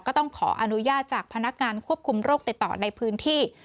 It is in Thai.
ก็ต้องขออนุญาตจากพนักงานควบคุมโรคติดต่อในพื้นที่